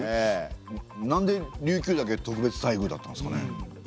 なんで琉球だけ特別待遇だったんですかね？